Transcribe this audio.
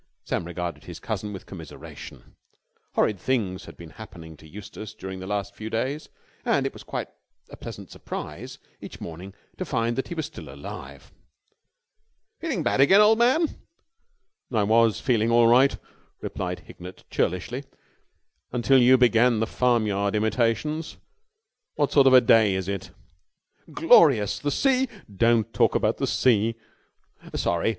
Sam regarded his cousin with commiseration. Horrid things had been happening to Eustace during the last few days, and it was quite a pleasant surprise each morning to find that he was still alive. "Feeling bad again, old man?" "I was feeling all right," replied Hignett churlishly, "until you began the farmyard imitations. What sort of a day is it?" "Glorious! The sea...." "Don't talk about the sea!" "Sorry!